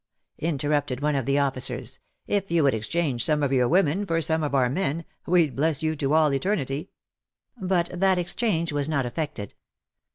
Interrupted one of the officers, "if WAR AND WOMEN 179 you would exchange some of your women for some of our men, we'd bless you to all eternity !" But that exchange was not effected.